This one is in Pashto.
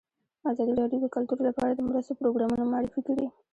ازادي راډیو د کلتور لپاره د مرستو پروګرامونه معرفي کړي.